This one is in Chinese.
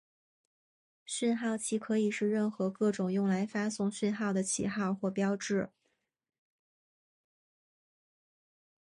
讯号旗可以是任何各种用来发送讯号的旗号或标志。